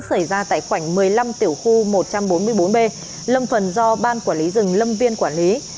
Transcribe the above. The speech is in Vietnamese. xảy ra tại khoảnh một mươi năm tiểu khu một trăm bốn mươi bốn b lâm phần do ban quản lý rừng lâm viên quản lý